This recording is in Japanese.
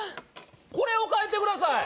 これを替えてください